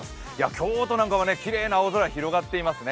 京都なんかはきれいな青空、広がっていますね。